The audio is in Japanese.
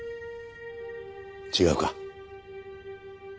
違うか？